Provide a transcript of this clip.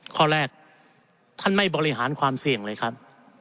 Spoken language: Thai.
ข้อแรกท่านไม่บริหารความเสี่ยงเลยครับ